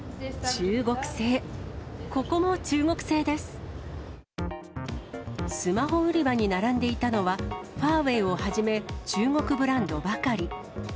中国製、スマホ売り場に並んでいたのは、ファーウェイをはじめ、中国ブランドばかり。